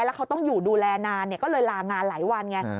แล้วเขาต้องอยู่ดูแลนานก็เลยลางานหลายวันไง